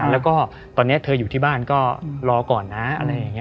แล้วก็ตอนนี้เธออยู่ที่บ้านก็รอก่อนนะอะไรอย่างนี้